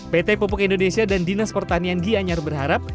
pt pupuk indonesia dan dinas pertanian gianyar berharap